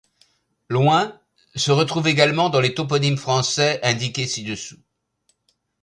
Loing se retrouve également dans les toponymes français indiqués ci-dessous.